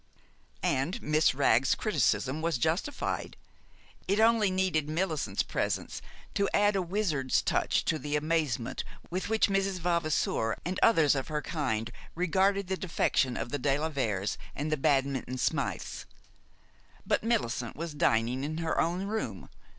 And Miss Wragg's criticism was justified. It only needed Millicent's presence to add a wizard's touch to the amazement with which Mrs. Vavasour and others of her kind regarded the defection of the de la Veres and the Badminton Smythes. But Millicent was dining in her own room.